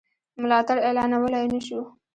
ملاتړ اعلانولای نه شو.